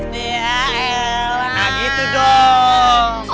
nah gitu dong